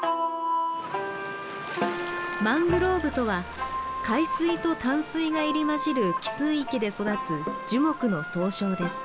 マングローブとは海水と淡水が入り交じる汽水域で育つ樹木の総称です。